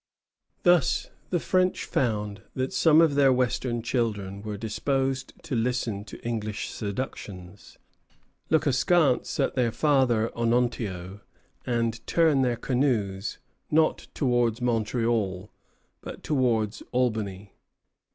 Thus the French found that some of their western children were disposed to listen to English seductions, look askance at their father Onontio, and turn their canoes, not towards Montreal, but towards Albany.